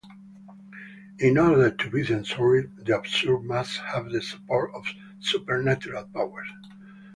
In order to be censored, the absurd must have the support of supernatural powers.